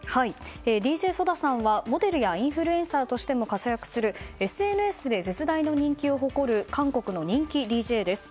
ＤＪＳＯＤＡさんはモデルやインフルエンサーとしても活躍するＳＮＳで絶大な人気を誇る韓国の人気ＤＪです。